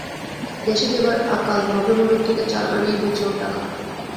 দেশে যেবার আকাল, মগের মুলুক থেকে চাল আনিয়ে বেচে ওর টাকা।